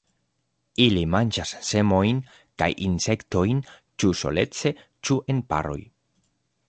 Ili manĝas semojn kaj insektojn ĉu solece ĉu en paroj.